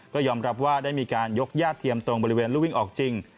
ก็ยอมรับว่าได้มีการยกญาติเทียมตรงบริเวณรูวิ่งออกจริง